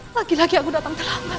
lagi lagi aku datang terlambat